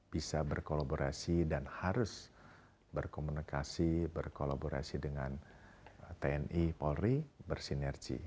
bisa berkolaborasi dan harus berkomunikasi berkolaborasi dengan tni polri bersinergi